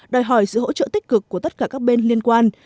đòi hỏi sự hỗ trợ tích cực của tất cả các bên liên quan